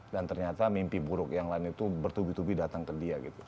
dan ternyata mimpi buruk yang lain itu bertubi tubi datang ke dia gitu